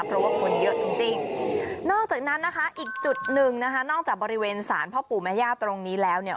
เพราะคนเยอะจริงนอกจากนั้นอีกจุดหนึ่งนอกจากบริเวณสารพ่อปู่แม่ยาตรงนี้แล้ว